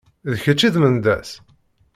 D kečč i d Mendas?